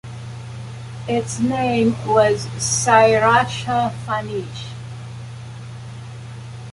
Its name was "Si Racha Phanich".